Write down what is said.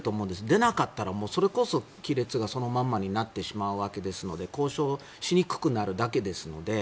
出なかったらそれこそ亀裂がそのままになってしまうわけですので交渉しにくくなるだけですので。